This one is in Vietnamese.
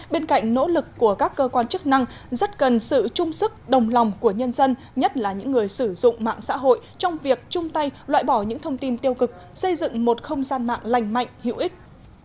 bên cạnh nỗ lực của các cơ quan chức năng rất cần sự trung sức đồng lòng của nhân dân nhất là những người sử dụng mạng xã hội trong việc chung tay loại bỏ những thông tin tiêu cực xây dựng một không gian mạng lành mạnh hữu ích